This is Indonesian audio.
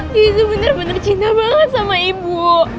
tisu bener bener cinta banget sama ibu